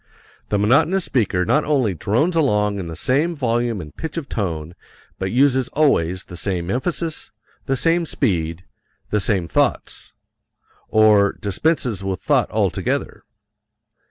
The monotonous speaker not only drones along in the same volume and pitch of tone but uses always the same emphasis, the same speed, the same thoughts or dispenses with thought altogether.